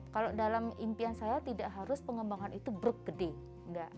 kalau dalam impian saya tidak harus pengembangan itu bergede